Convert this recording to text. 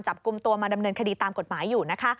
จับกลุ่มตัวมาดำเนินคดีตามกฎหมายอยู่นะคะ